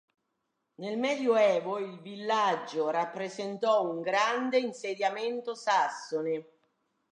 Nel Medioevo, il villaggio rappresentò un grande insediamento sassone.